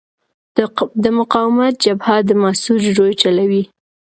د مقاومت جبهه د مسعود ژوی چلوي.